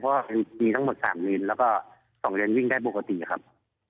เพราะว่ามีทั้งหมด๓มิลลิเมตรแล้วก็๒เดือนวิ่งได้ปกติครับ